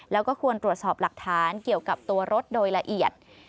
แล้วก็ควรตรวจสอบหลักฐานเกี่ยวกับตัวรถโดยละเอียด